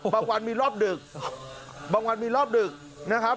วันมีรอบดึกบางวันมีรอบดึกนะครับ